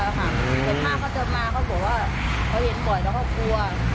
แต่ถ้าเขาจะมาเขาบอกว่าเขาเห็นบ่อยแล้วเขากลัว